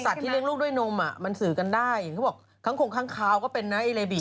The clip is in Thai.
สัตว์ที่เล่นลูกด้วยนมมันสื่อกันได้เขาบอกค้างคงค้างคาวก็เป็นนะไอ้ไล่บิ่ง